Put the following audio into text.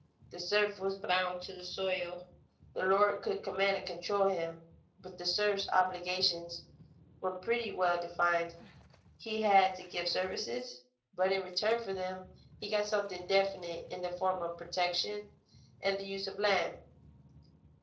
The serf was bound to the soil; the lord could command and control him; but the serf's obligations were pretty well defined. He had to give services, but in return for them he got something definite in the form of protection and the use of land.